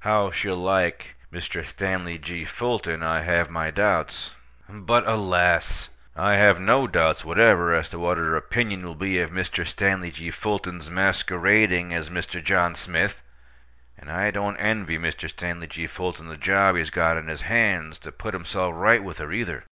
How she'll like Mr. Stanley G. Fulton I have my doubts; but, alas! I have no doubts whatever as to what her opinion will be of Mr. Stanley G. Fulton's masquerading as Mr. John Smith! And I don't envy Mr. Stanley G. Fulton the job he's got on his hands to put himself right with her, either.